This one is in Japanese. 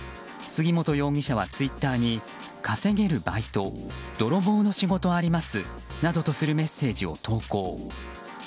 杉本容疑者はツイッターに稼げるバイト泥棒の仕事ありますなどとするメッセージを投稿。